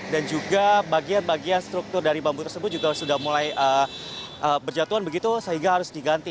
dan juga bagian bagian struktur dari bambu tersebut juga sudah mulai berjatuhan begitu sehingga harus diganti